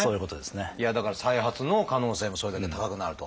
いやだから再発の可能性もそれだけ高くなると。